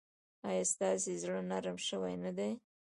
ایا ستاسو زړه نرم شوی نه دی؟